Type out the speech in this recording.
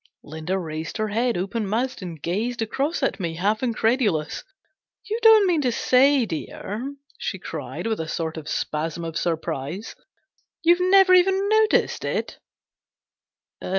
Linda raised her head, open mouthed, and gazed across at me, half incredulous. " You don't mean to say, dear," she cried, with a sort of spasm of surprise, "you've never even noticed it